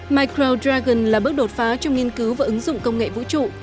micro dragon là bước đột phá trong nghiên cứu và ứng dụng công nghệ vũ trụ